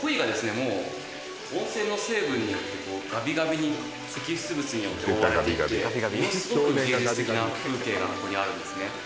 もう温泉の成分によってこうガビガビに析出物によって覆われていてものすごく芸術的な風景がここにあるんですね